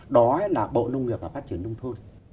đó là bộ nông nghiệp và phát triển nông thôn